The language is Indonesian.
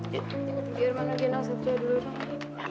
jangan pergi biar mama bisa kerja dulu